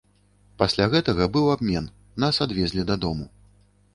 Пасля гэтага быў абмен, нас адвезлі дадому.